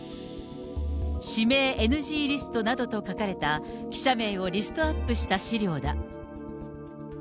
指名ＮＧリストなどと書かれた、記者名をリストアップした資料だ。